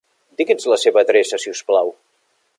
Digui'ns la seva adreça, si us plau.